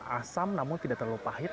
asam namun tidak terlalu pahit